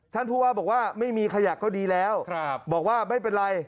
ท่านผู้ว่าบอกว่าไม่มีขยะก็ดีแล้วบอกว่าไม่เป็นไร